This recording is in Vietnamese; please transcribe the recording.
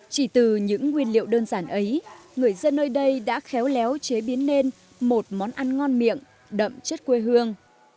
chỉ từ những nguyên liệu đơn giản ấy người dân nơi đây đã khéo léo chế biến nên một món ăn ngon miệng đậm chất quê hương